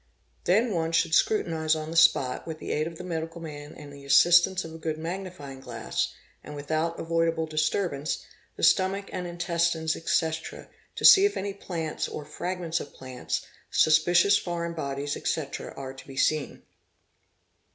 Then one should scrutinise on the spot, with the aid of the medical man and the assistance of a good magnifying glass, and without avoidable disturbance, the stomach and intestines, etc., to see if any plants, or fragments of plants, suspicious foreign bodies, etc., are to be seen.